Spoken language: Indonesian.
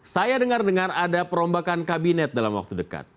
saya dengar dengar ada perombakan kabinet dalam waktu dekat